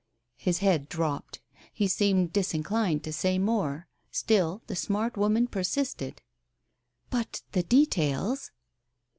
His head dropped. He seemed disinclined to say more. Still the smart woman persisted. "But the details